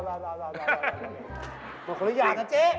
ขอขออนุญาตนะเจ๊